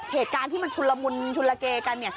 เหตุการณ์ที่มันชุลมุลชุลเกกัน